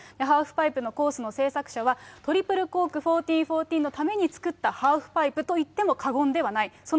ハーフパイプのコースの制作者は、トリプルコーク１４４０のために作ったハーフパイプといっても過言ではないと。